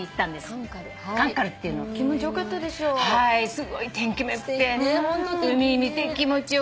すごい天気も良くて海見て気持ち良かった。